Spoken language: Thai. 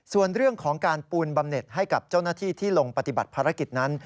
ส่วนเรื่องของการปูนบำเน็ตให้กับเจ้าหน้าที่ที่ลงปฏิบัติภารกิจนั้น